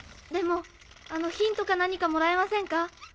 でもヒントか何かもらえませんか？